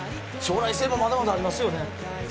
将来性もまだまだありますよね。